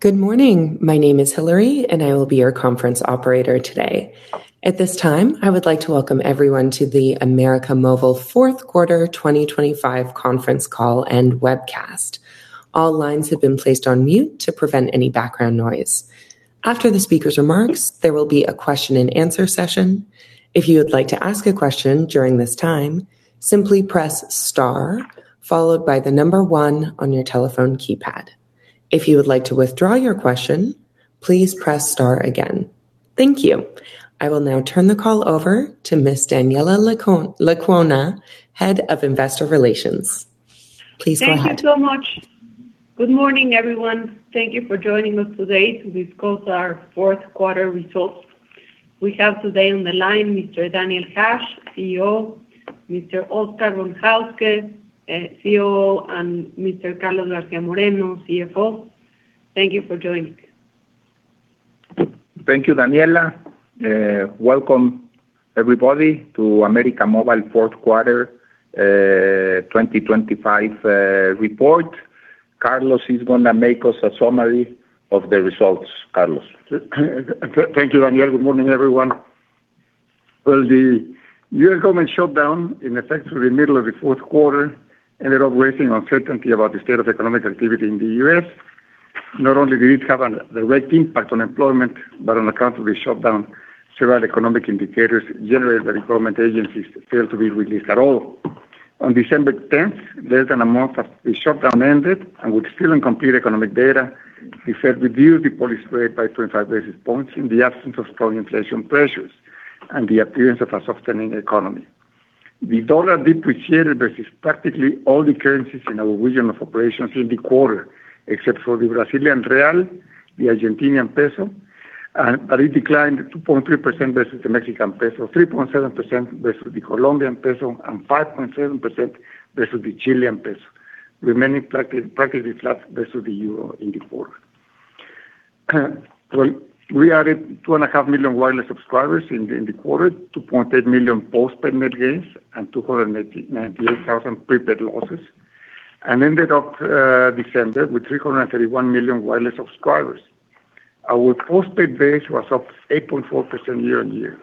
Good morning. My name is Hillary, and I will be your conference operator today. At this time, I would like to welcome everyone to the América Móvil Fourth Quarter 2025 Conference Call and Webcast. All lines have been placed on mute to prevent any background noise. After the speakers' remarks, there will be a question and answer session. If you would like to ask a question during this time, simply press star followed by the number one on your telephone keypad. If you would like to withdraw your question, please press star again. Thank you. I will now turn the call over to Miss Daniela Lecuona, Head of Investor Relations. Please go ahead. Thank you so much. Good morning, everyone. Thank you for joining us today to discuss our fourth quarter results. We have today on the line, Mr. Daniel Hajj, CEO, Mr. Óscar Von Hauske, COO, and Mr. Carlos García Moreno, CFO. Thank you for joining us. Thank you, Daniela. Welcome, everybody, to América Móvil fourth quarter 2025 report. Carlos is going to make us a summary of the results. Carlos? Thank you, Daniel. Good morning, everyone. Well, the U.S. government shutdown, in effect through the middle of the fourth quarter, ended up raising uncertainty about the state of economic activity in the U.S. Not only did it have a direct impact on employment, but on account of the shutdown, several economic indicators generated by government agencies failed to be released at all. On December tenth, less than a month after the shutdown ended, and with still incomplete economic data, the Fed reduced the policy rate by 25 basis points in the absence of strong inflation pressures and the appearance of a softening economy. The dollar depreciated versus practically all the currencies in our region of operations in the quarter, except for the Brazilian real, the Argentine peso, but it declined 2.3% versus the Mexican peso, 3.7% versus the Colombian peso, and 5.7% versus the Chilean peso, remaining practically flat versus the euro in the quarter. Well, we added 2.5 million wireless subscribers in the quarter, 2.8 million postpaid net gains, and 298,000 prepaid losses, and ended up December with 331 million wireless subscribers. Our postpaid base was up 8.4% year-on-year.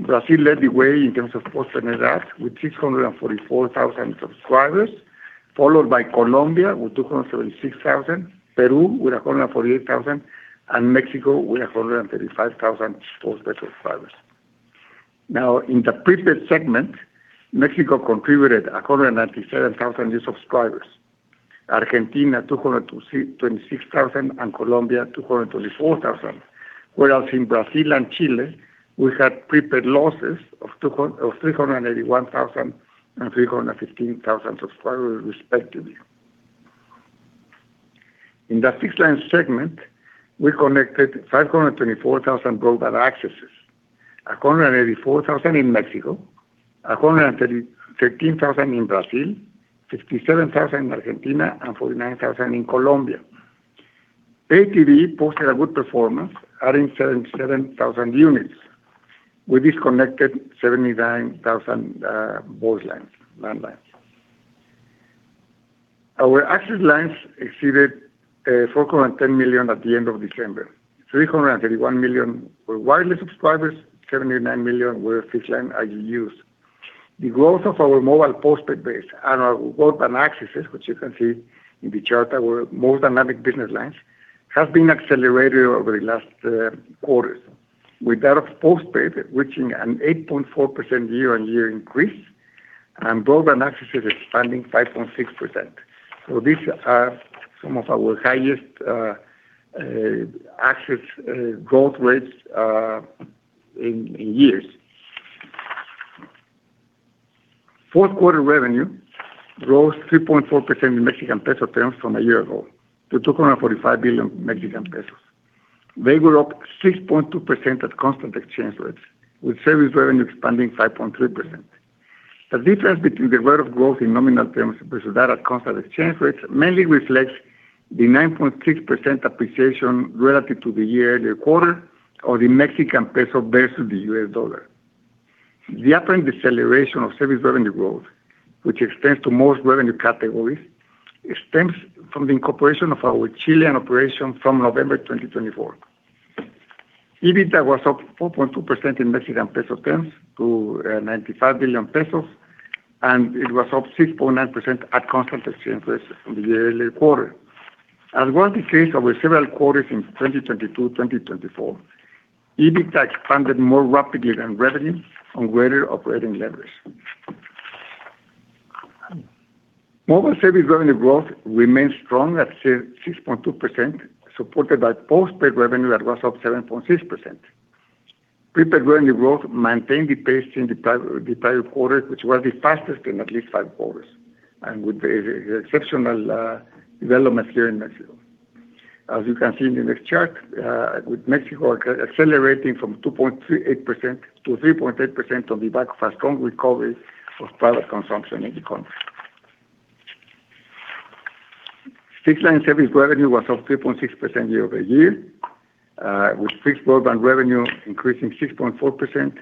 Brazil led the way in terms of postpaid net add with 644,000 subscribers, followed by Colombia, with 276,000, Peru with 148,000, and Mexico with 135,000 postpaid subscribers. Now, in the prepaid segment, Mexico contributed 197,000 new subscribers, Argentina, 226,000, and Colombia, 224,000. Whereas in Brazil and Chile, we had prepaid losses of 381,000 and 315,000 subscribers, respectively. In the fixed line segment, we connected 5,240 broadband accesses, 184,000 in Mexico, 133,000 in Brazil, 57,000 in Argentina, and 49,000 in Colombia. Pay TV posted a good performance, adding 77,000 units. We disconnected 79,000 voice lines, landlines. Our access lines exceeded 4.1 million at the end of December. 331 million were wireless subscribers, 79 million were fixed-line RGUs. The growth of our mobile postpaid base and our broadband accesses, which you can see in the chart, our more dynamic business lines, have been accelerated over the last quarters, with that of postpaid reaching an 8.4% year-on-year increase and broadband accesses expanding 5.6%. So these are some of our highest access growth rates in years. Fourth quarter revenue rose 3.4% in Mexican peso terms from a year ago to 245 billion Mexican pesos. They were up 6.2% at constant exchange rates, with service revenue expanding 5.3%. The difference between the rate of growth in nominal terms versus that at constant exchange rates mainly reflects the 9.6% appreciation relative to the year, the quarter, or the Mexican peso versus the US dollar. The apparent deceleration of service revenue growth, which extends to most revenue categories, extends from the incorporation of our Chilean operation from November 2024. EBITDA was up 4.2% in Mexican peso terms to 95 billion pesos, and it was up 6.9% at constant exchange rates from the yearly quarter. As was the case over several quarters in 2022, 2024, EBITDA expanded more rapidly than revenue on greater operating leverage. Mobile service revenue growth remained strong at 6.2%, supported by postpaid revenue that was up 7.6%. Prepaid revenue growth maintained the pace in the entire quarter, which was the fastest in at least five quarters, and with the exceptional developments here in Mexico. As you can see in the next chart, with Mexico accelerating from 2.38% to 3.8% on the back of a strong recovery of private consumption in the country. Fixed line service revenue was up 3.6% year-over-year with fixed broadband revenue increasing 6.4%.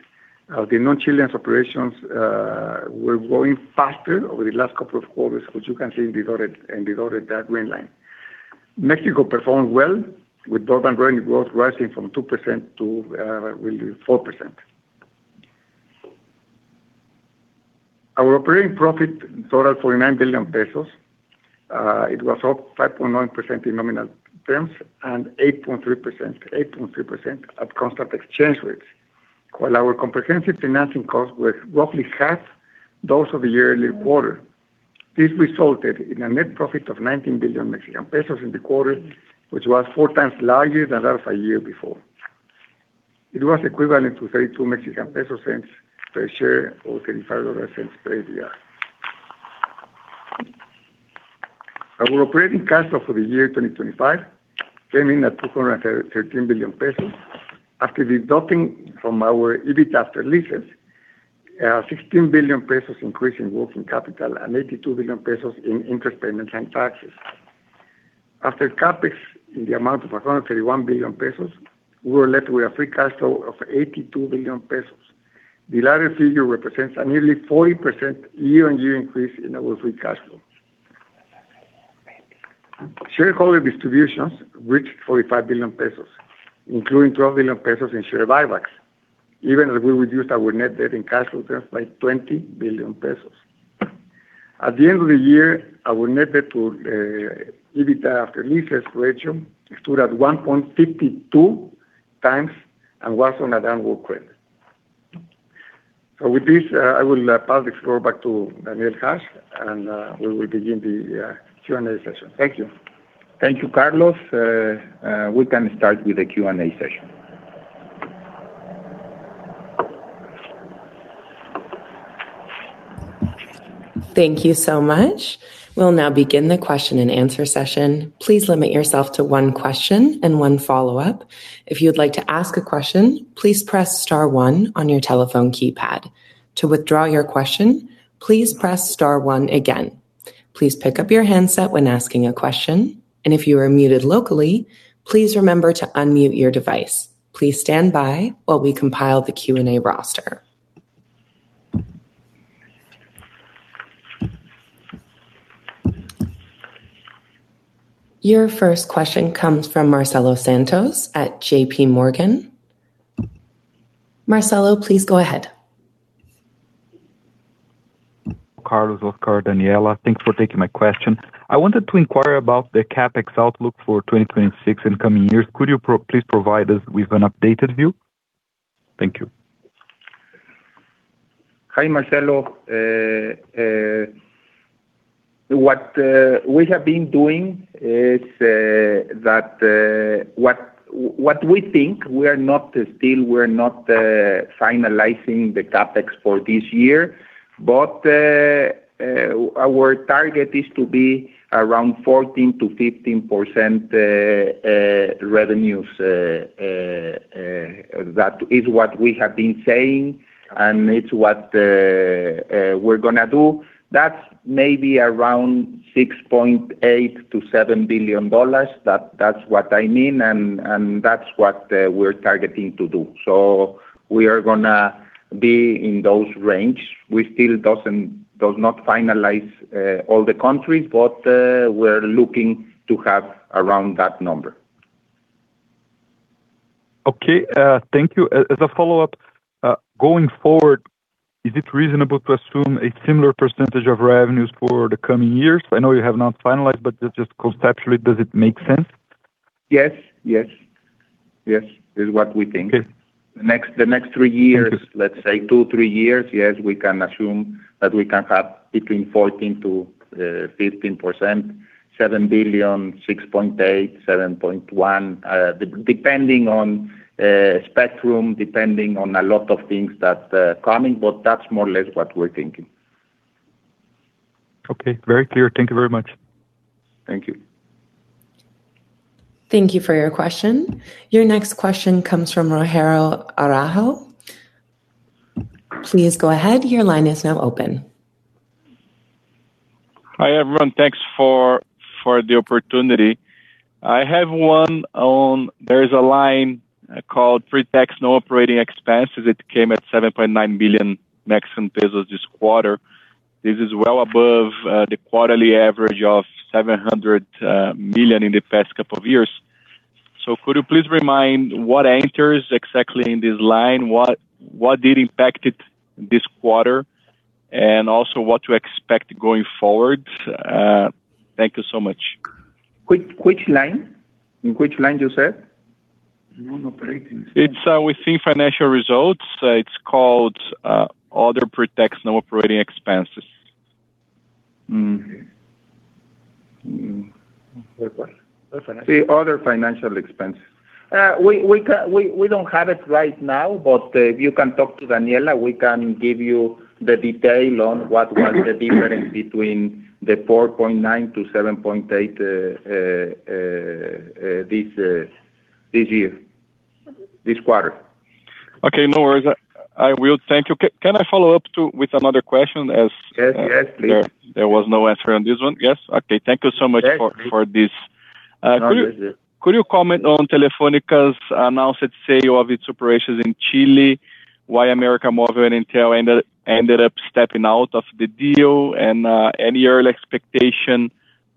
The non-Chilean operations were growing faster over the last couple of quarters, which you can see in the dotted green line. Mexico performed well, with broadband revenue growth rising from 2% to, really, 4%. Our operating profit totaled 49 billion pesos. It was up 5.9% in nominal terms and 8.3%, 8.3% at constant exchange rates, while our comprehensive financing costs were roughly half those of the yearly quarter. This resulted in a net profit of 19 billion Mexican pesos in the quarter, which was 4 times larger than that of a year before. It was equivalent to 0.32 per share, or $0.35 per ADR. Our operating cash flow for the year 2025 came in at 213 billion pesos, after deducting from our EBIT after leases, sixteen billion pesos increase in working capital and 82 billion pesos in interest payments and taxes. After CapEx, in the amount of 131 billion pesos, we were left with a free cash flow of 82 billion pesos. The latter figure represents a nearly 40% year-on-year increase in our free cash flow. Shareholder distributions reached 45 billion pesos, including 12 billion pesos in share buybacks, even as we reduced our net debt and cash flows by 20 billion pesos. At the end of the year, our net debt to EBIT after leases ratio stood at 1.52x and was on a downward trend. So with this, I will pass the floor back to Daniel Hajj, and we will begin the Q&A session. Thank you. Thank you, Carlos. We can start with the Q&A session. Thank you so much. We'll now begin the question and answer session. Please limit yourself to one question and one follow-up. If you'd like to ask a question, please press star one on your telephone keypad. To withdraw your question, please press star one again. Please pick up your handset when asking a question, and if you are muted locally, please remember to unmute your device. Please stand by while we compile the Q&A roster. Your first question comes from Marcelo Santos at J.P. Morgan. Marcelo, please go ahead. Carlos, Óscar, Daniela, thanks for taking my question. I wanted to inquire about the CapEx outlook for 2026 and coming years. Could you please provide us with an updated view? Thank you. Hi, Marcelo. What we have been doing is that what we think, we're not still finalizing the CapEx for this year, but our target is to be around 14%-15% revenues. That is what we have been saying, and it's what we're gonna do. That's maybe around $6.8 billion-$7 billion. That, that's what I mean, and that's what we're targeting to do. So we are gonna be in those range. We still doesn't, does not finalize all the countries, but we're looking to have around that number. Okay, thank you. As, as a follow-up, going forward, is it reasonable to assume a similar percentage of revenues for the coming years? I know you have not finalized, but just, just conceptually, does it make sense? Yes, is what we think. Okay. The next three years, let's say two-three years, yes, we can assume that we can have between 14%-15%, $7 billion, $6.8 billion, $7.1 billion. Depending on spectrum, depending on a lot of things that coming, but that's more or less what we're thinking. Okay, very clear. Thank you very much. Thank you. Thank you for your question. Your next question comes from Rogerio Araujo. Please go ahead. Your line is now open. Hi, everyone. Thanks for the opportunity. I have one on. There is a line called pre-tax, non-operating expenses. It came at 7.9 billion Mexican pesos this quarter. This is well above the quarterly average of 700 million in the past couple of years. So could you please remind what enters exactly in this line? What did impact it this quarter? And also, what to expect going forward? Thank you so much. Which, which line? In which line, you said? Non-operating. It's within financial results. It's called other pre-tax, non-operating expenses. The other financial expense. We don't have it right now, but you can talk to Daniela. We can give you the detail on what was the difference between 4.9-7.8% this year, this quarter. Okay, no worries. I will. Thank you. Can I follow up with another question as-- Yes, yes, please. There, there was no answer on this one. Yes? Okay. Thank you so much for this. No worries. Could you comment on Telefónica's announced sale of its operations in Chile, why América Móvil and Entel ended up stepping out of the deal? And any early expectation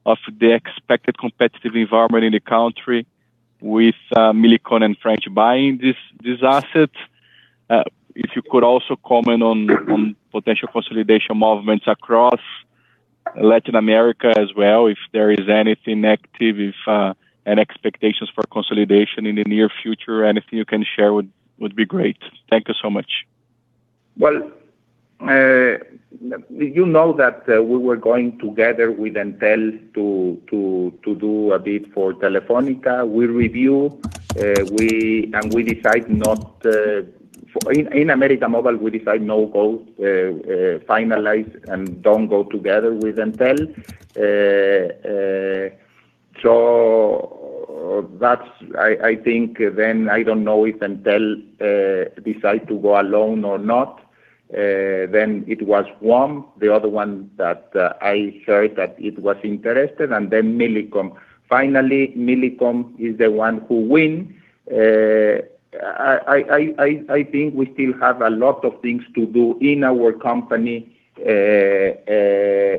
of the expected competitive environment in the country with Millicom and French buying these assets? If you could also comment on potential consolidation movements across Latin America as well, if there is anything active, and expectations for consolidation in the near future. Anything you can share would be great. Thank you so much. Well, you know that we were going together with Entel to do a bid for Telefónica. We review and we decide not... In América Móvil, we decide no go, finalize and don't go together with Entel. So that's, I think then I don't know if Entel decide to go alone or not, then it was one. The other one that I heard that it was interested, and then Millicom. Finally, Millicom is the one who win. I think we still have a lot of things to do in our company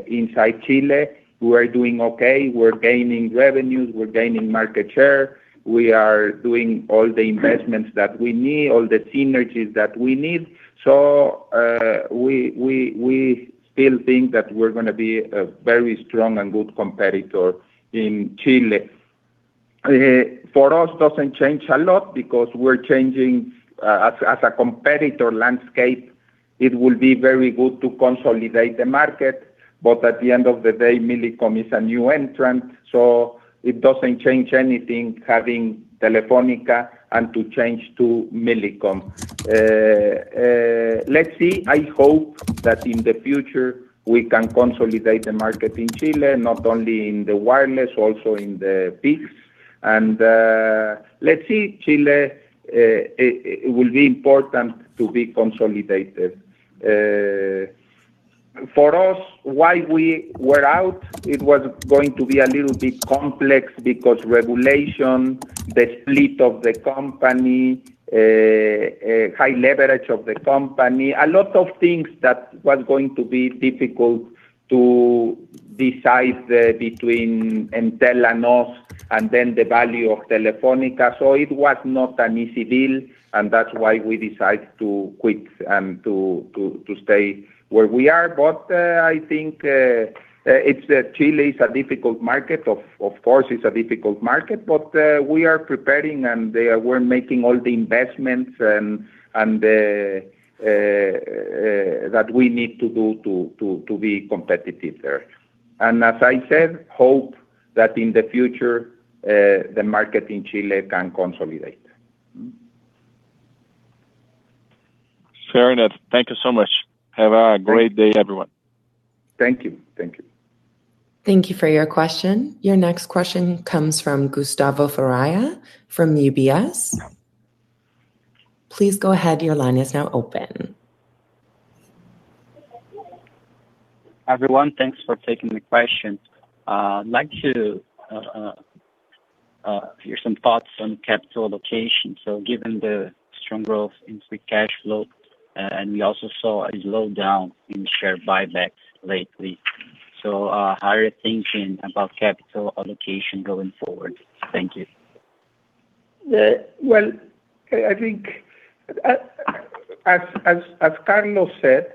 inside Chile. We are doing okay. We're gaining revenues, we're gaining market share. We are doing all the investments that we need, all the synergies that we need. So, we still think that we're gonna be a very strong and good competitor in Chile. For us, it doesn't change a lot because as the competitor landscape changes, it will be very good to consolidate the market, but at the end of the day, Millicom is a new entrant, so it doesn't change anything having Telefónica and to change to Millicom. Let's see, I hope that in the future we can consolidate the market in Chile, not only in the wireless, also in the fixed. Let's see, Chile, it will be important to be consolidated. For us, why we were out, it was going to be a little bit complex because regulation, the split of the company, high leverage of the company, a lot of things that was going to be difficult to decide between Entel and us, and then the value of Telefónica. So it was not an easy deal, and that's why we decided to quit and to stay where we are. But I think it's that Chile is a difficult market. Of course, it's a difficult market, but we are preparing, and we're making all the investments and that we need to do to be competitive there. And as I said, hope that in the future the market in Chile can consolidate. Fair enough. Thank you so much. Have a great day, everyone. Thank you. Thank you for your question. Your next question comes from Gustavo Faria from UBS. Please go ahead. Your line is now open. Everyone, thanks for taking the question. I'd like to hear some thoughts on capital allocation. So given the strong growth in free cash flow, and we also saw a slowdown in share buybacks lately, so, how are you thinking about capital allocation going forward? Thank you. Well, I think, as Carlos said,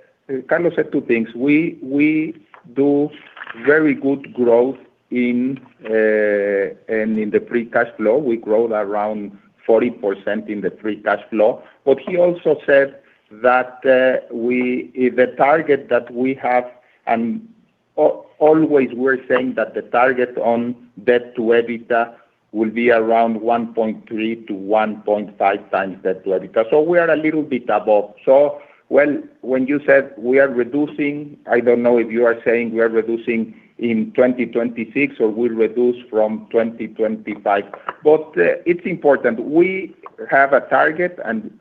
Carlos said two things: We do very good growth in the free cash flow. We grow around 40% in the free cash flow. But he also said that, if the target that we have, and always we're saying that the target on debt to EBITDA will be around 1.3x-1.5x debt to EBITDA. So we are a little bit above. So when you said we are reducing, I don't know if you are saying we are reducing in 2026 or we'll reduce from 2025, but it's important. We have a target and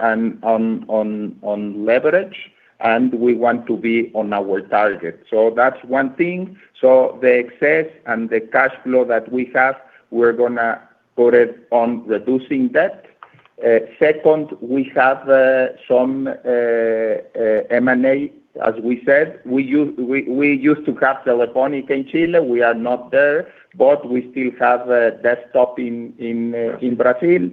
on leverage, and we want to be on our target. So that's one thing. The excess and the cash flow that we have, we're gonna put it on reducing debt. Second, we have some M&A. As we said, we used to have Telefónica in Chile, we are not there, but we still have a Desktop in Brazil.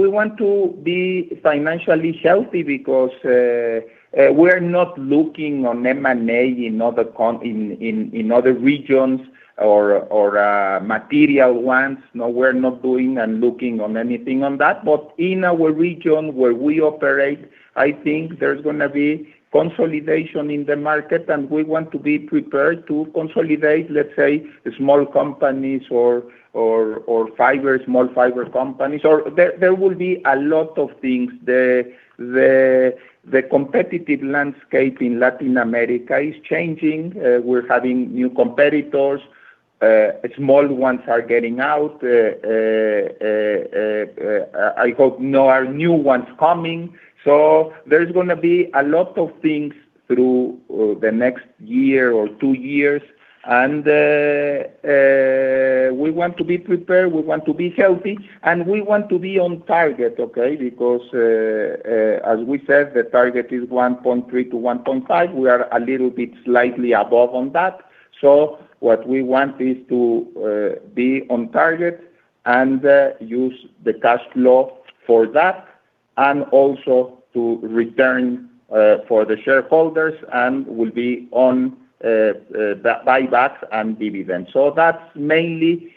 We want to be financially healthy because we're not looking on M&A in other countries, in other regions, or material ones. No, we're not doing and looking on anything on that. In our region where we operate, I think there's gonna be consolidation in the market, and we want to be prepared to consolidate, let's say, small companies or small fiber companies, or there will be a lot of things. The competitive landscape in Latin America is changing. We're having new competitors--small ones are getting out. I hope no are new ones coming. So there is gonna be a lot of things through the next year or two years, and we want to be prepared, we want to be healthy, and we want to be on target, okay? Because, as we said, the target is 1.3x-1.5x. We are a little bit slightly above on that. So what we want is to be on target and use the cash flow for that, and also to return for the shareholders, and we'll be on buybacks and dividends. So that's mainly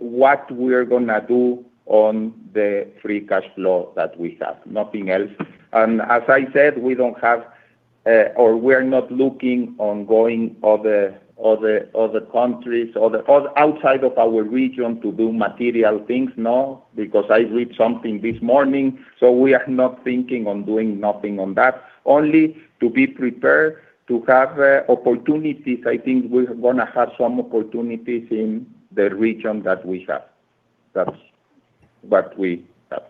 what we are gonna do on the free cash flow that we have, nothing else. And as I said, we don't have, or we're not looking on going to other countries or the other outside of our region to do material things. No, because I read something this morning, so we are not thinking on doing nothing on that. Only to be prepared to have opportunities. I think we're gonna have some opportunities in the region that we have. That's what we have.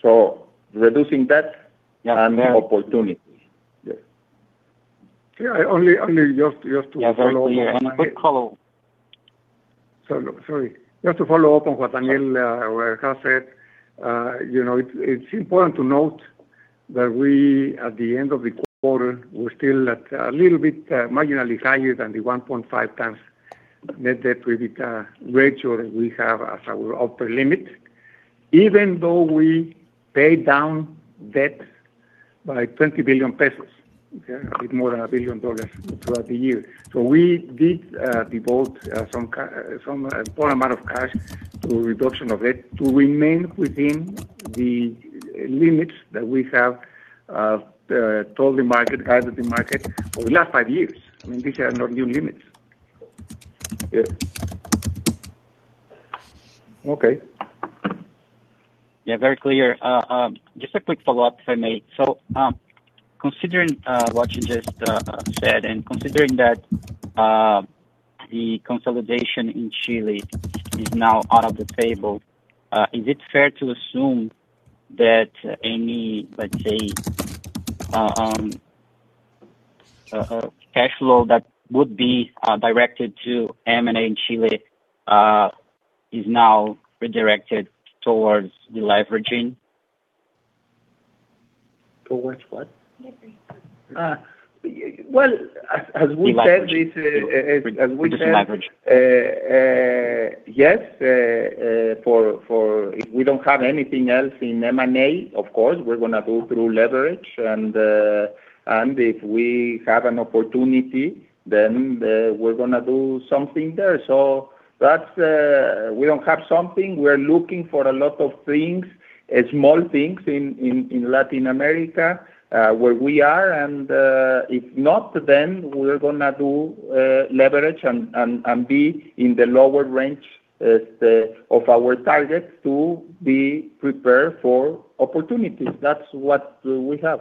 So reducing debt. And more opportunities. Yeah, just to follow-- Yeah, quick follow. So, sorry. Just to follow up on what Daniel has said. You know, it, it's important to note that we, at the end of the quarter, we're still at a little bit, marginally higher than the 1.5x net debt, EBITDA ratio that we have as our upper limit. Even though we paid down debt by 20 billion pesos, okay? With more than $1 billion throughout the year. So we did devote some important amount of cash to reduction of it, to remain within the limits that we have told the market, guided the market for the last five years. I mean, these are not new limits. Okay. Yeah, very clear. Just a quick follow-up, if I may. So, considering what you just said, and considering that the consolidation in Chile is now out of the table, is it fair to assume that any, let's say, cash flow that would be directed to M&A in Chile, is now redirected towards the leveraging? Towards what? Well, as we said-- Deleveraging. Yes. If we don't have anything else in M&A, of course, we're gonna go through leverage. And if we have an opportunity, then we're gonna do something there. So that's, we don't have something, we're looking for a lot of things, small things in Latin America, where we are. And if not, then we're gonna do leverage and be in the lower range of our targets to be prepared for opportunities. That's what we have.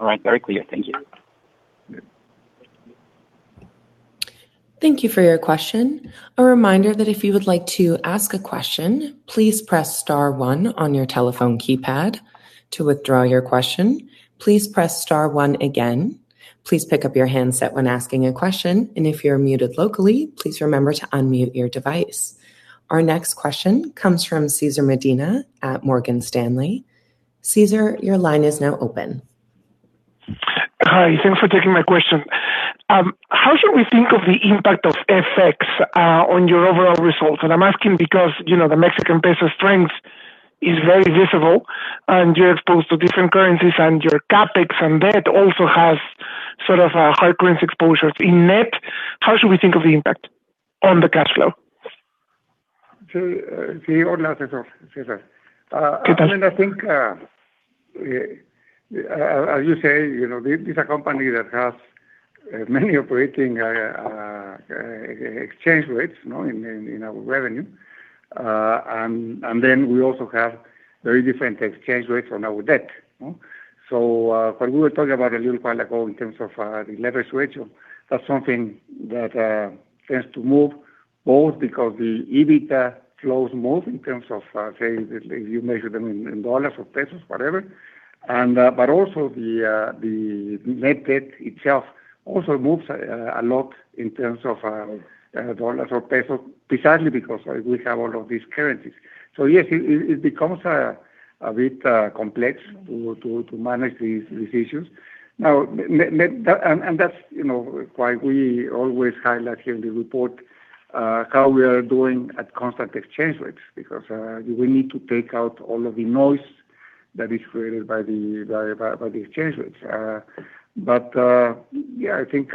All right. Very clear. Thank you. Yeah. Thank you for your question. A reminder that if you would like to ask a question, please press star one on your telephone keypad. To withdraw your question, please press star one again. Please pick up your handset when asking a question, and if you're muted locally, please remember to unmute your device. Our next question comes from César Medina at Morgan Stanley. César, your line is now open. Hi, thanks for taking my question. How should we think of the impact of FX on your overall results? I'm asking because, you know, the Mexican peso strength is very visible, and you're exposed to different currencies, and your CapEx, and that also has sort of a high currency exposures. In net, how should we think of the impact on the cash flow? So, César. I mean, I think, as you say, you know, this is a company that has many operating exchange rates, you know, in our revenue. And then we also have very different exchange rates on our debt. So, what we were talking about a little while ago in terms of the leverage ratio, that's something that tends to move both because the EBITDA flows move in terms of, say, if you measure them in dollars or pesos, whatever. And but also the net debt itself also moves a lot in terms of dollars or pesos, precisely because we have all of these currencies. So, yes, it becomes a bit complex to manage these issues. Now, net, and, and that's, you know, why we always highlight here in the report, how we are doing at constant exchange rates, because, we need to take out all of the noise that is created by the exchange rates. But, yeah, I think,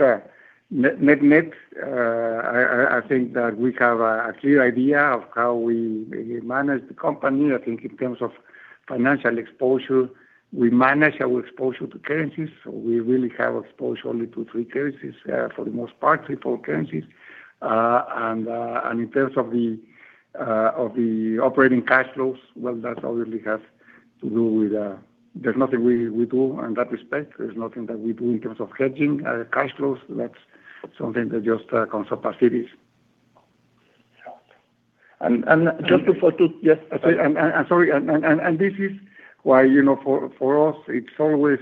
net-net, I think that we have a clear idea of how we manage the company. I think in terms of financial exposure, we manage our exposure to currencies, so we really have exposure only to three currencies, for the most part, three, four currencies. And in terms of the operating cash flows, well, that obviously has to do with. There's nothing we do in that respect. There's nothing that we do in terms of hedging cash flows. That's something that just comes up as it is. Yes, I'm sorry. And this is why, you know, for us, it's always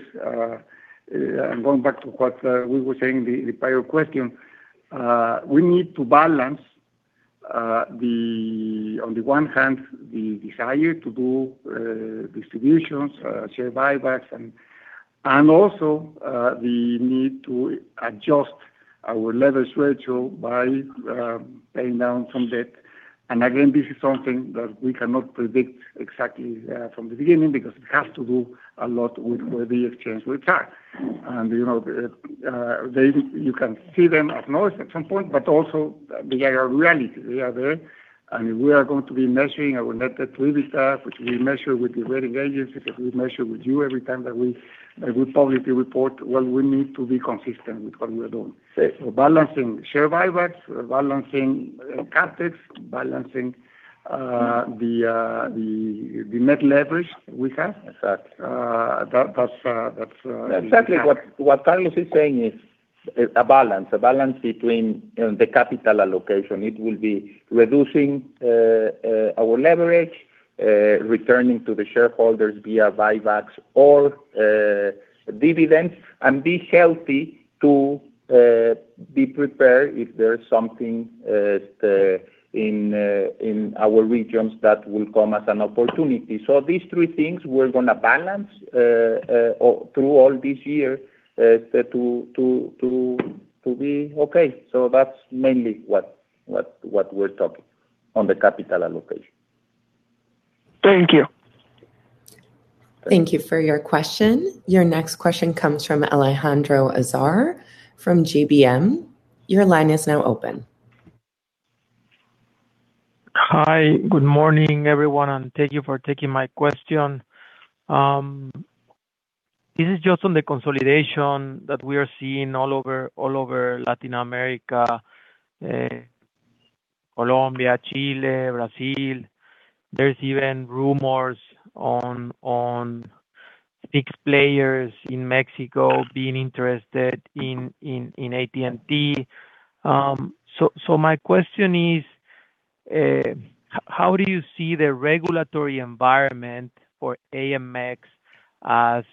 and going back to what we were saying in the prior question, we need to balance, on the one hand, the desire to do distributions, share buybacks, and also the need to adjust our leverage ratio by paying down some debt. And again, this is something that we cannot predict exactly from the beginning, because it has to do a lot with where the exchange will track. And, you know, they, you can see them at notice at some point, but also they are a reality. They are there, and we are going to be measuring our net debt to EBITDA, which we measure with the rating agencies, that we measure with you every time that we, that we publicly report what we need to be consistent with what we are doing. So balancing share buybacks, balancing capital, balancing the net leverage we have. Exactly. That's-- Exactly what Carlos is saying is a balance between the capital allocation. It will be reducing our leverage, returning to the shareholders via buybacks or dividends, and be healthy to be prepared if there is something in our regions that will come as an opportunity. So these three things, we're gonna balance through all this year to be okay. So that's mainly what we're talking on the capital allocation. Thank you. Thank you for your question. Your next question comes from Alejandro Azar, from GBM. Your line is now open. Hi, good morning, everyone, and thank you for taking my question. This is just on the consolidation that we are seeing all over Latin America, Colombia, Chile, Brazil. There's even rumors of big players in Mexico being interested in AT&T. So my question is, how do you see the regulatory environment for AMX, as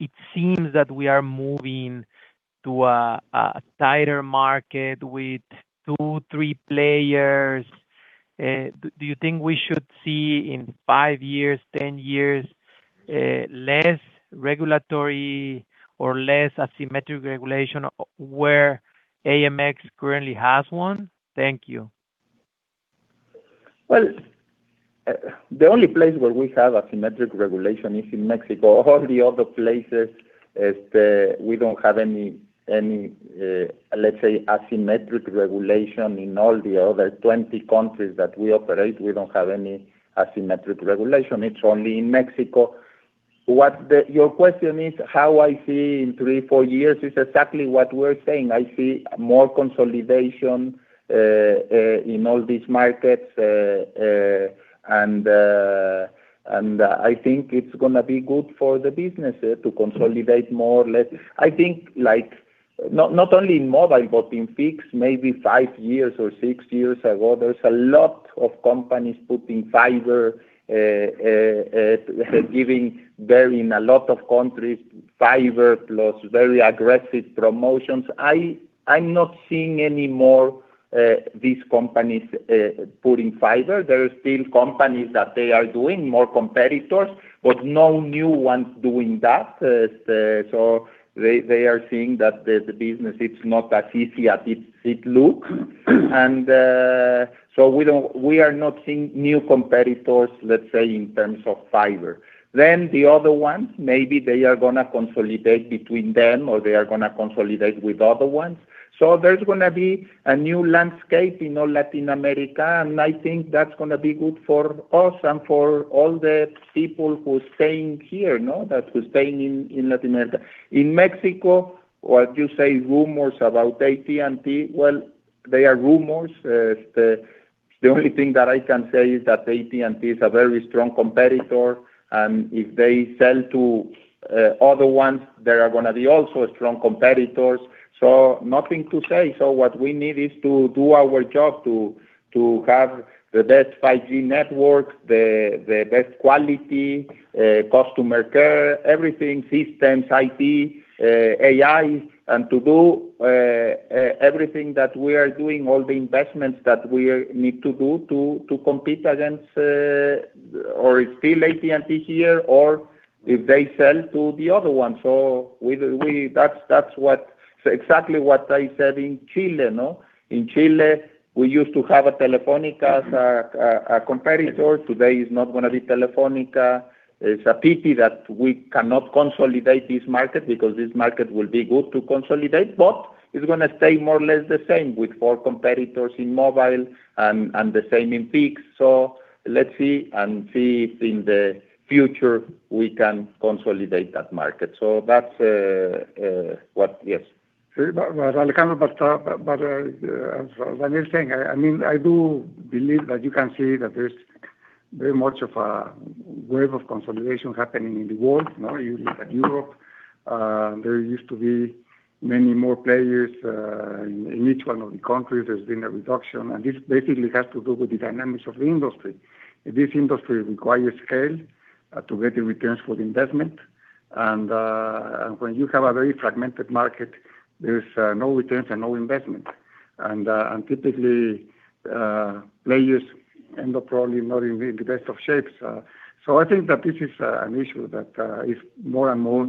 it seems that we are moving to a tighter market with two, three players? Do you think we should see in 5 years, 10 years, less regulatory or less asymmetric regulation where AMX currently has one? Thank you. Well, the only place where we have asymmetric regulation is in Mexico. All the other places, we don't have any, any, let's say, asymmetric regulation in all the other 20 countries that we operate. We don't have any asymmetric regulation. It's only in Mexico. What the... Your question is, how I see in three-four years is exactly what we're saying. I see more consolidation in all these markets, and I think it's gonna be good for the business to consolidate more or less. I think like not only in mobile, but in fixed, maybe five years or six years ago, there's a lot of companies putting fiber, giving very in a lot of countries, fiber plus very aggressive promotions. I'm not seeing any more these companies putting fiber. There are still companies that they are doing more competitors, but no new ones doing that. So they are seeing that the business, it's not as easy as it look. So we are not seeing new competitors, let's say, in terms of fiber. Then the other ones, maybe they are gonna consolidate between them, or they are gonna consolidate with other ones. So there's gonna be a new landscape in all Latin America, and I think that's gonna be good for us and for all the people who are staying here, no? That who staying in Latin America. In Mexico, what you say, rumors about AT&T, well, they are rumors. The only thing that I can say is that AT&T is a very strong competitor, and if they sell to other ones, they are gonna be also a strong competitor. So nothing to say. So what we need is to do our job to have the best 5G network, the best quality, customer care, everything, systems, IT, AI, and to do everything that we need to do to compete against, or if still AT&T here, or if they sell to the other one. So that's what. So exactly what I said in Chile, no? In Chile, we used to have a Telefónica as a competitor. Today is not gonna be Telefónica. It's a pity that we cannot consolidate this market because this market will be good to consolidate, but it's gonna stay more or less the same with four competitors in mobile and the same in fixed. So let's see if in the future we can consolidate that market. So that's what--Yes. But Alejandro, what you're saying, I mean, I do believe that you can see that there's very much of a wave of consolidation happening in the world, you know? You look at Europe, there used to be many more players. In each one of the countries, there's been a reduction, and this basically has to do with the dynamics of the industry. This industry requires scale to get the returns for the investment, and when you have a very fragmented market, there's no returns and no investment. Typically, players end up probably not in the best of shapes. So I think that this is an issue that is more and more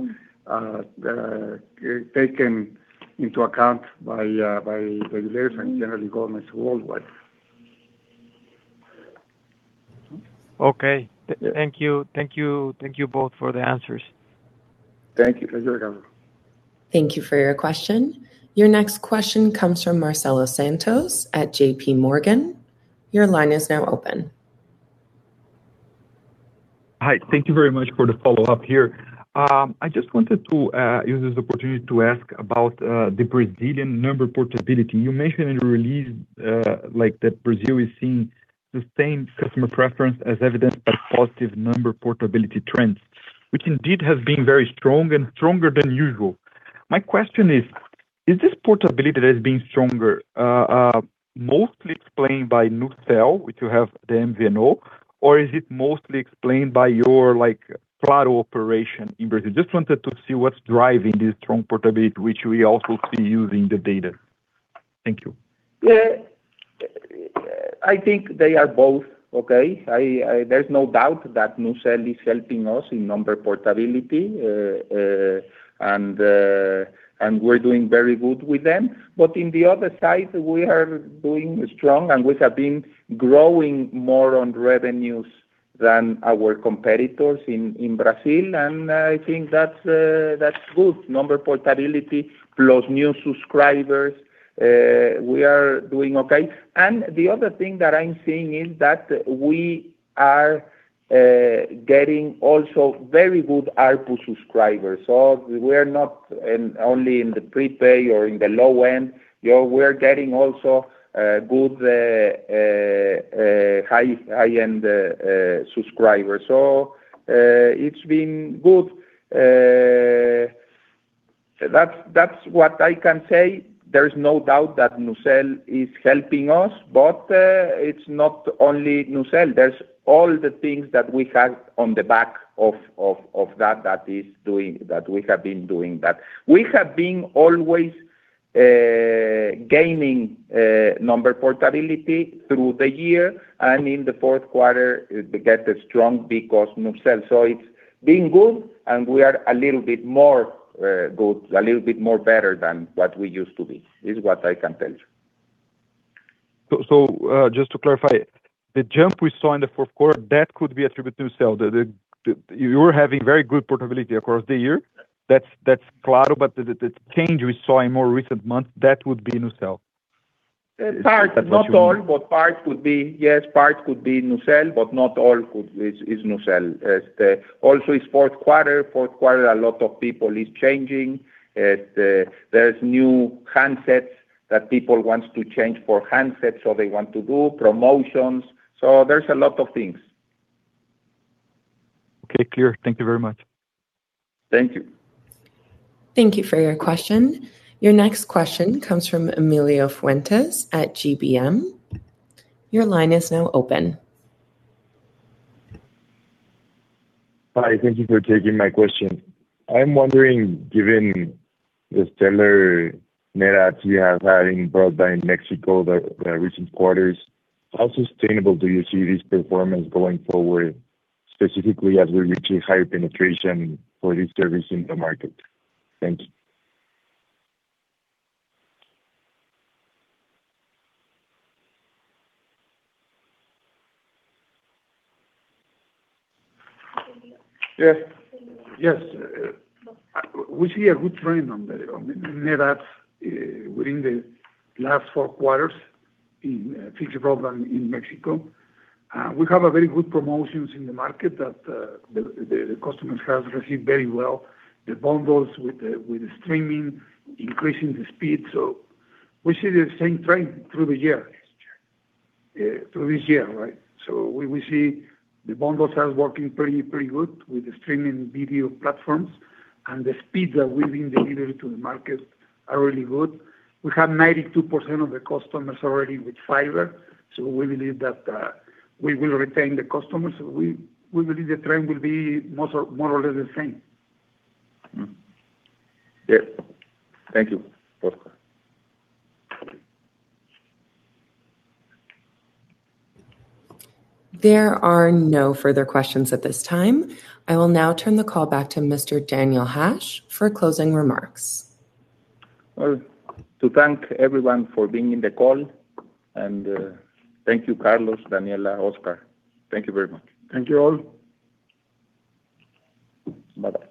taken into account by regulators and, generally, governments worldwide. Okay. Thank you, thank you, thank you both for the answers. Thank you. Thank you, Alejandro. Thank you for your question. Your next question comes from Marcelo Santos at J.P. Morgan. Your line is now open. Hi, thank you very much for the follow-up here. I just wanted to use this opportunity to ask about the Brazilian number portability. You mentioned in the release, like, that Brazil is seeing the same customer preference as evidenced by positive number portability trends, which indeed has been very strong and stronger than usual. My question is, is this portability that has been stronger mostly explained by NuCel, which you have the MVNO, or is it mostly explained by your, like, postpaid operation in Brazil? Just wanted to see what's driving this strong portability, which we also see using the data. Thank you. Yeah. I think they are both, okay? I—there's no doubt that NuCel is helping us in number portability. And we're doing very good with them. But in the other side, we are doing strong, and we have been growing more on revenues than our competitors in Brazil, and I think that's good. Number portability plus new subscribers, we are doing okay. And the other thing that I'm seeing is that we are getting also very good ARPU subscribers. So we're not only in the prepaid or in the low end, you know, we're getting also good high-end subscribers. So, it's been good. That's what I can say. There's no doubt that NuCel is helping us, but it's not only NuCel. There's all the things that we have on the back of that that we have been doing that. We have been always gaining number portability through the year, and in the fourth quarter, it get strong because NuCel. So it's been good, and we are a little bit more good, a little bit more better than what we used to be, is what I can tell you. So, just to clarify, the jump we saw in the fourth quarter, that could be attributed to NuCel? You were having very good portability across the year, that's Claro, but the change we saw in more recent months, that would be NuCel? Part, not all, but part would be. Yes, part would be NuCel, but not all is, is NuCel. Also, it's fourth quarter. Fourth quarter, a lot of people is changing. There's new handsets that people want to change four handsets, so they want to do promotions. So there's a lot of things. Okay, clear. Thank you very much. Thank you. Thank you for your question. Your next question comes from Emilio Fuentes at GBM. Your line is now open. Hi, thank you for taking my question. I'm wondering, given the stellar net adds you have had in broadband Mexico, the recent quarters, how sustainable do you see this performance going forward, specifically as we reach a higher penetration for this service in the market? Thank you. Yes, we see a good trend on the, on the net adds, within the last four quarters in, fixed broadband in Mexico. We have a very good promotions in the market, the customers have received very well. The bundles with the, with the streaming, increasing the speed, so we see the same trend through the year--through this year, right? So we will see the bundles are working pretty, pretty good with the streaming video platforms, and the speeds that we've been delivering to the market are really good. We have 92% of the customers already with fiber, so we believe that, we will retain the customers. We, we believe the trend will be more or, more or less the same. Yeah. Thank you, Óscar. There are no further questions at this time. I will now turn the call back to Mr. Daniel Hajj for closing remarks. Well, to thank everyone for being in the call, and thank you, Carlos, Daniela, Óscar. Thank you very much. Thank you, all. Bye.